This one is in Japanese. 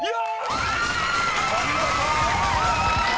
［お見事！］